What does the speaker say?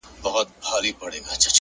ساده ژوند ژوره خوښي لري!.